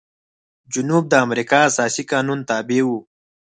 جنوب د امریکا اساسي قانون تابع و.